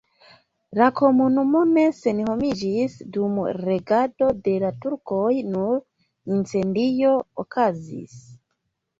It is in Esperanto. La komunumo ne senhomiĝis dum regado de la turkoj, nur incendio okazis.